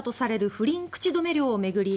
不倫口止め料を巡り